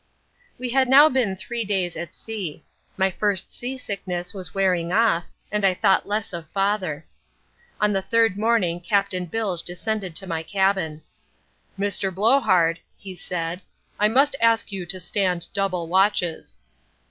We had now been three days at sea. My first sea sickness was wearing off, and I thought less of father. On the third morning Captain Bilge descended to my cabin. "Mr. Blowhard," he said, "I must ask you to stand double watches."